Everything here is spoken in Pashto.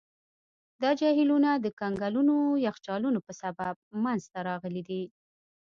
دا جهیلونه د کنګلونو یخچالونو په سبب منځته راغلي دي.